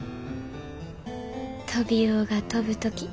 「トビウオが飛ぶとき